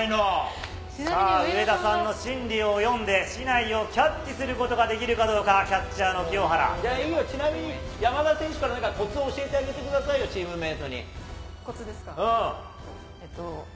さあ、上田さんの心理を読んで、竹刀をキャッチすることができるかどうか、キャッチャーの清いいよ、ちなみに山田選手からなんかこつ、教えてあげてくださいよ、チームこつですか。